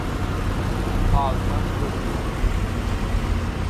Haljan gözüni ýumdy.